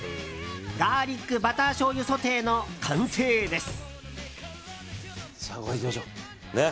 ガーリックバターしょうゆソテーの完成です。